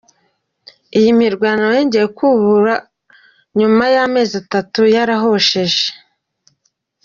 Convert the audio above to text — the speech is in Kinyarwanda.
Iyi mirwano yongeye kubura nyuma y’amezi atatu yarahosheje.